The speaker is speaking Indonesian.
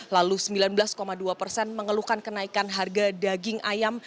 lalu sembilan belas dua persen mengeluhkan kenaikan harga daging ayam